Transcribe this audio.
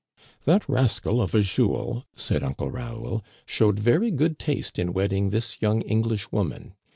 " That rascal of a Jules, said Uncle Raoul, " showed very good taste in wedding this young English woman.